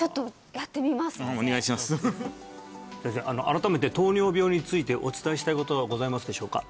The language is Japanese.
改めて糖尿病についてお伝えしたいことはございますでしょうか？